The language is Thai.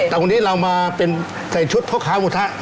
แต่วันนี้เรามาใส่ชุดพ่อค้าหมูกระทะ